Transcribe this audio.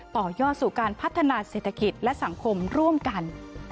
ต่อยอดสู่การพัฒนาเศรษฐกิจและสังคมร่วมกัน